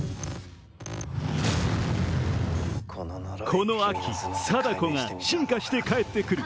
この秋、貞子が進化して帰ってくる。